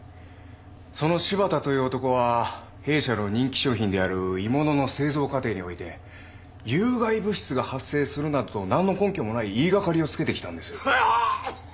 その柴田という男は弊社の人気商品である鋳物の製造過程において有害物質が発生するなどとなんの根拠もない言いがかりをつけてきたんです。